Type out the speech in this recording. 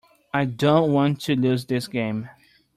I don't want to lose this game.